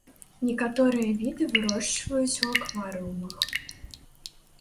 Некаторыя віды вырошчваюць у акварыумах.